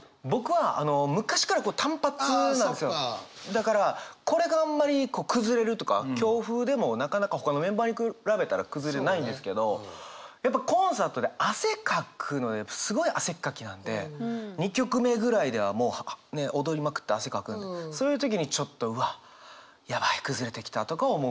だからこれがあんまり崩れるとか強風でもなかなかほかのメンバーに比べたら崩れないんですけどやっぱコンサートで汗かくのですごい汗っかきなんで２曲目ぐらいではもうね踊りまくって汗かくんでそういう時にちょっと「うわっやばい崩れてきた」とか思うことは。